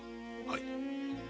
はい。